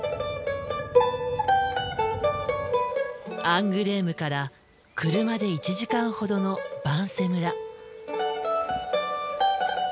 アングレームから車で１時間ほどのヴァンセ村。